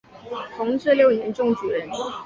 同治六年中举人。